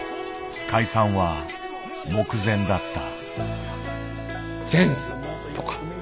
解散は目前だった。